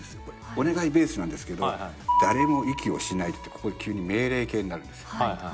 お願いベースなんですけど「だれも息をしないで」ってここで急に命令形になるんですよ。